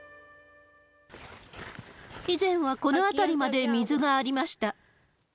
以前はこの辺りまで水がありました。